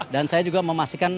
dan saya juga memastikan